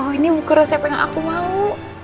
oh ini buku resep yang aku mau